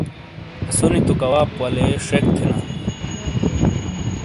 اسونی تو کواپ ولے شک تھینا۔